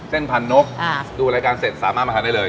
เส้นพันนกดูรายการเสร็จสามารถมาทานได้เลย